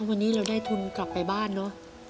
วันนี้เราได้ทุนกลับไปบ้านเนอะ